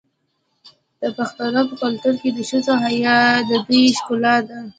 د پښتنو په کلتور کې د ښځو حیا د دوی ښکلا ده.